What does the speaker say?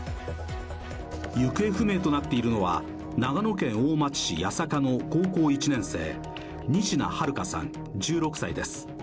行方不明となっているのは長野県大町市八坂の高校１年生、仁科日花さん１６歳です。